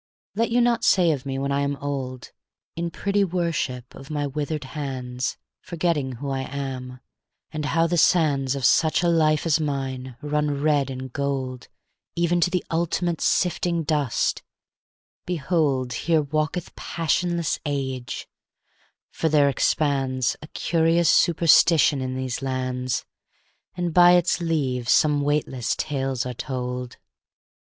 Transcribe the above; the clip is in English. IX Let you not say of me when I am old, In pretty worship of my withered hands Forgetting who I am, and how the sands Of such a life as mine run red and gold Even to the ultimate sifting dust, "Behold, Here walketh passionless age!" for there expands A curious superstition in these lands, And by its leave some weightless tales are told.